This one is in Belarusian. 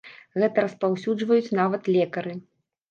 Гэта распаўсюджваюць нават лекары.